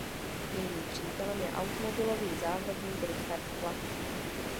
Jejím přítelem je automobilový závodník Richard Chlad.